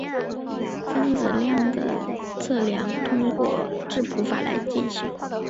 分子量的测量通过质谱法来进行。